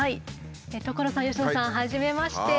所さん佳乃さんはじめまして。